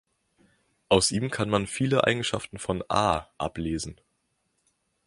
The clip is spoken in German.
Aus ihm kann man viele Eigenschaften von "a" ablesen.